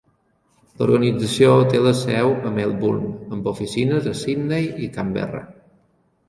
L'organització té la seu a Melbourne amb oficines a Sydney i Canberra.